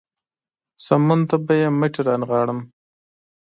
سمون ته به يې مټې رانغاړم.